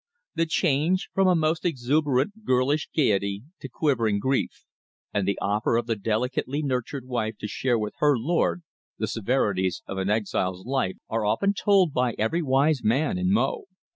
The change from a most exuberant girlish gaiety to quivering grief, and the offer of the delicately nurtured wife to share with her lord the severities of an exile's life are often told by every wise man in Mo.